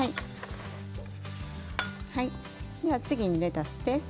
はいでは次にレタスです。